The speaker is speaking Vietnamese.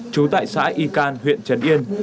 trú tại xã y can huyện trần yên